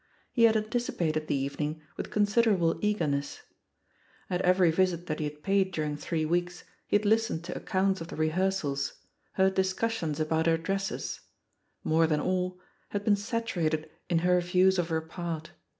He had anticipated the evening with consid erable eagerness. At every visit that he had paid during three weeks he had listened to accounts of the rehearsals, heard discussions about her dresses — ^more than all, had been saturated in her views of her part.